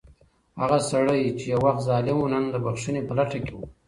هغه سړی چې یو وخت ظالم و، نن د بښنې په لټه کې و.